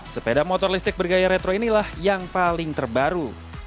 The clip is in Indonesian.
sepeda motor listrik bergaya retro inilah yang paling terbaru